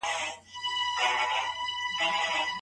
تاسو خپلو ماشومانو ته څه ورکوئ؟